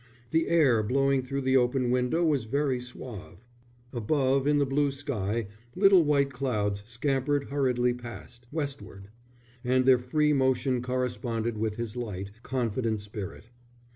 The air blowing through the open window was very suave. Above, in the blue sky, little white clouds scampered hurriedly past, westward; and their free motion corresponded with his light, confident spirit.